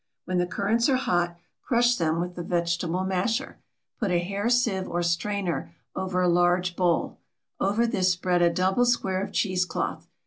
When the currants are hot, crush them with the vegetable masher. Put a hair sieve or strainer over a large bowl; over this spread a double square of cheese cloth.